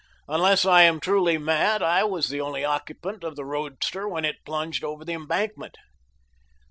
Unless I am truly mad, I was the only occupant of the roadster when it plunged over the embankment."